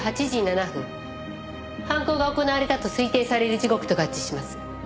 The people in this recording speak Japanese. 犯行が行われたと推定される時刻と合致します。